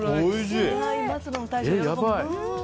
松野の大将も喜ぶ。